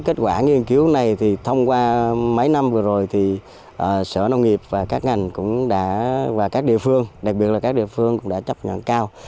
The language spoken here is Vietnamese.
kết quả nghiên cứu này thì thông qua mấy năm vừa rồi thì sở nông nghiệp và các ngành cũng đã và các địa phương đặc biệt là các địa phương cũng đã chấp nhận cao